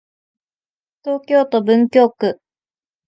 東京都文京区